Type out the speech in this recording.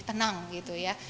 tenang gitu ya